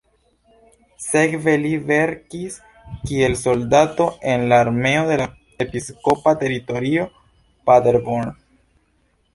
Sekve li servis kiel soldato en la armeo de la episkopa teritorio Paderborn.